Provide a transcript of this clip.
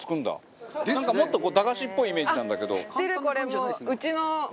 もっとこう駄菓子っぽいイメージなんだけど。